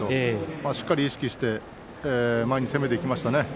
しっかり意識して前に攻めていきましたね。